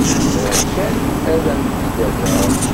Bɣiɣ kan ad m-t-id-rreɣ.